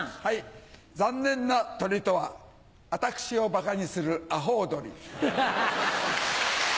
残念な鳥とは私をばかにするアホウドリ。